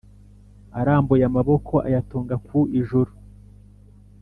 arambuye amaboko ayatunga ku ijuru